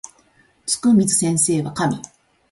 つくみず先生は神